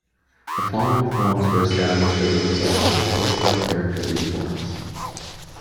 The following forms were established as a result of the postwar character reforms.